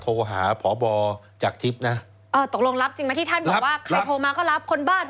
บอกว่าใครโทรมาก็รับคนบ้าโทรมาก็รับ